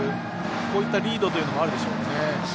こういったリードというのもあるでしょうか。